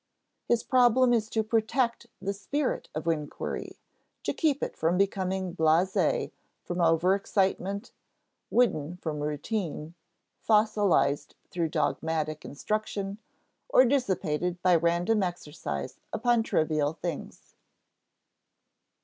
His problem is to protect the spirit of inquiry, to keep it from becoming blasé from overexcitement, wooden from routine, fossilized through dogmatic instruction, or dissipated by random exercise upon trivial things.